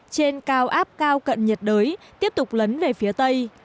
trên cao áp cao cận nhiệt đới tiếp tục lấn về phía tây